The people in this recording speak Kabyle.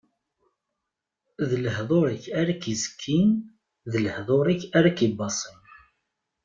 D lehduṛ-ik ara k-izekkin, d lehduṛ-ik ara k-ibaṣin.